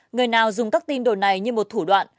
người nào dùng các tin đồn này như một thủ đoạn